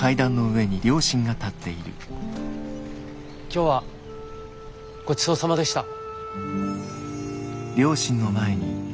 今日はごちそうさまでした。